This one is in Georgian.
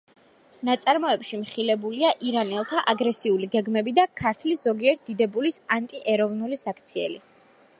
ნაწარმოებში მხილებულია ირანელთა აგრესიული გეგმები და ქართლის ზოგიერთი დიდებულის ანტიეროვნული საქციელი.